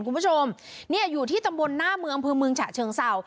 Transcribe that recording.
คุณผู้ชมเนี่ยอยู่ที่ตำบลหน้าเมืองอำเภอเมืองฉะเชิงเศร้า